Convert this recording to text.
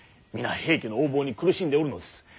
皆平家の横暴に苦しんでおるのです。